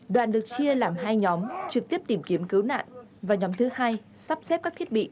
đoàn được chia làm hai nhóm trực tiếp tìm kiếm cứu nạn và nhóm thứ hai sắp xếp các thiết bị